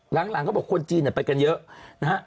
หลังก็ตามว่าคนจีนจะไปกันเยอะ